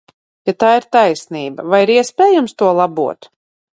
Ja tā ir taisnība, vai ir iespējams to labot?